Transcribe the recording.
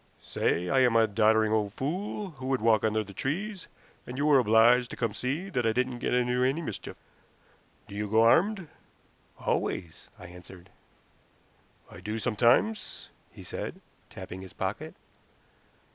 Say I am a doddering old fool who would walk under the trees and you were obliged to come to see that I didn't get into any mischief. Do you go armed?" "Always," I answered. "I do sometimes," he said, tapping his pocket.